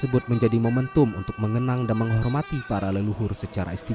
sekaligus menjadi kemampuan untuk memperkenalkan masyarakat ngada di flores nini indonesia indah jakarta timur